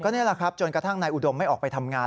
นี่แหละครับจนกระทั่งนายอุดมไม่ออกไปทำงาน